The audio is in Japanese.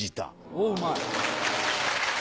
おっうまい！